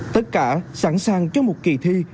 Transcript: tất cả sẵn sàng cho một kỳ thi